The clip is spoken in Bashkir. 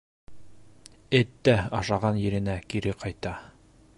Эт тә ашаған еренә кире ҡайта...